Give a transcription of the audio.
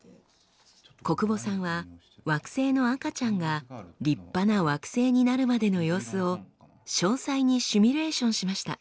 小久保さんは惑星の赤ちゃんが立派な惑星になるまでの様子を詳細にシミュレーションしました。